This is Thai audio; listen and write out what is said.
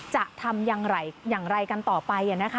จะทำอย่างไรกันต่อไปนะคะ